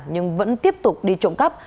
nhưng vẫn tiếp tục đi trộm cắp